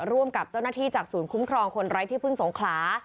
ร่วมกับเจ้าหน้าที่จากศูนย์คุ้มครองคนไร้ที่พึ่งสงขลา